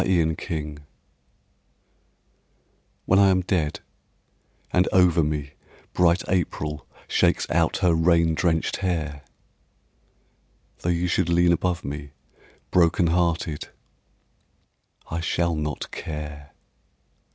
I SHALL NOT CARE WHEN I am dead and over me bright April Shakes out her rain drenched hair, Tho' you should lean above me broken hearted, I shall not care.